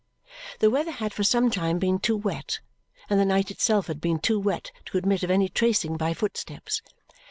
The weather had for some time been too wet and the night itself had been too wet to admit of any tracing by footsteps.